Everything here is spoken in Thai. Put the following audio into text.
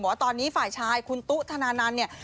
ว่าตอนนี้ฝ่ายชายคุณตุ๊ธนานันต์เนี่ย